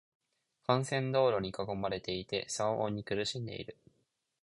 幹線道路に囲まれていて、騒音に苦しんでいる。